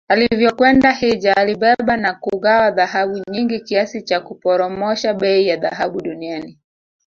Alivyokwenda hijja alibeba na kugawa dhahabu nyingi kiasi cha kuporomosha bei ya dhahabu duniani